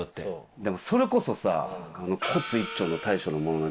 でもそれこそさ。